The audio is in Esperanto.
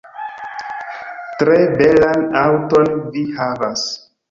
Tre belan aŭton vi havas